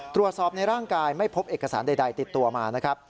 ตรวจสอบในร่างกายไม่พบเอกสารใดติดตัวมานะครับ